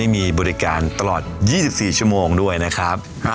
มีบริการตลอด๒๔ชั่วโมงด้วยนะครับ